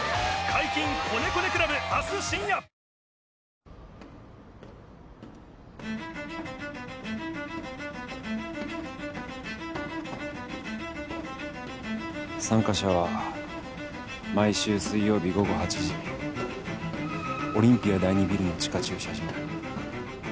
現在参加者は毎週水曜日午後８時オリンピア第２ビルの地下駐車場